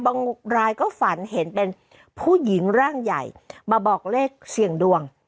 บางรายก็ฝันเห็นเป็นผู้หญิงร่างใหญ่มาบอกเลขเสี่ยงดวง